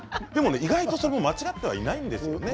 意外と間違ってはいないですよね。